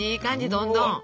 どんどん！